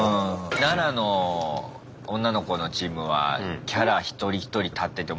奈良の女の子のチームはキャラ一人一人立ってて面白かったね。